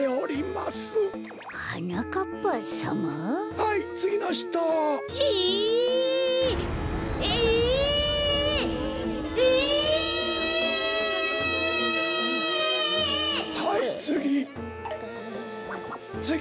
はいつぎ。